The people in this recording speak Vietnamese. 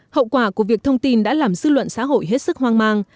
hậu quả của việc thông tin đã làm dư luận xã hội hết sức hoang mang